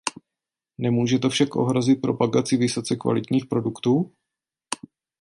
Nemůže to však ohrozit propagaci vysoce kvalitních produktů?